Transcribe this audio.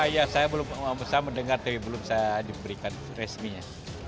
ya saya belum bisa mendengar belum bisa diberikan resminya